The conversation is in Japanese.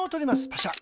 パシャ。